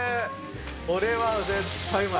これは絶対うまい。